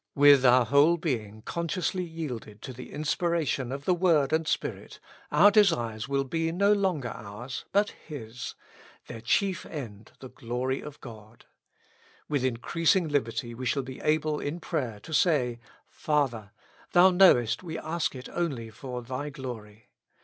With our whole being consciously yielded to the inspiration of the Word and Spirit, our desires will be no longer ours, but His ; their chief end the glory of God. With in creasing liberty we shall be able in prayer to say : Father ! Thou knowest we ask it only for Thy glory.